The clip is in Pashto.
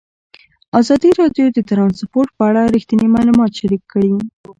ازادي راډیو د ترانسپورټ په اړه رښتیني معلومات شریک کړي.